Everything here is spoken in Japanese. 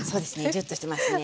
ジュッとしてますね。